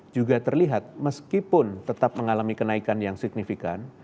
juga terlihat meskipun tetap mengalami kenaikan yang signifikan